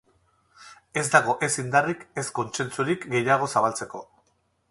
Ez dago ez indarrik, ez kontsentsurik, gehiago zabaltzeko.